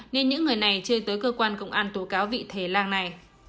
nên những người này chơi tới cơ quan công an tố cáo vị thề làng này